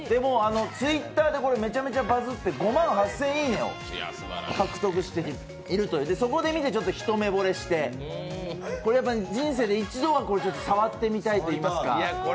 Ｔｗｉｔｔｅｒでめちゃめちゃバズって５万８０００いいねを獲得してるというそこで見てひと目ぼれして、人生で一度は触ってみたい。